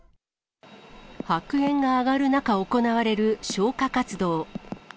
白煙が上がる中、行われる消火活動。